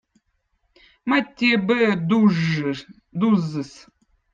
Matti eb õõ dužžiz